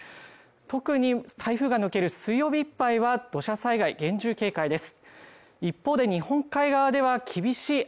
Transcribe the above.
特に台風が抜ける水曜日いっぱいは土砂災害厳重警戒です